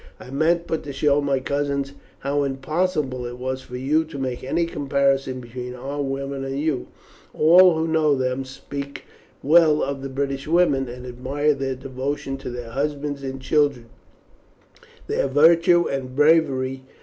"I meant but to show my cousins how impossible it was for you to make any comparison between our women and yours. All who know them speak well of the British women, and admire their devotion to their husbands and children, their virtue, and bravery.